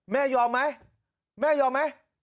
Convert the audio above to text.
ยอมไหมแม่ยอมไหม